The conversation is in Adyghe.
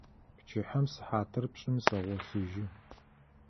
Пчыхьэм сыхьатыр пшӀым сэгъолъыжьы.